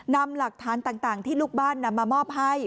นำหลักฐานต่างที่ลูกบ้านนำมามอบให้